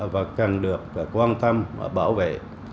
và cần được quan tâm và bảo vệ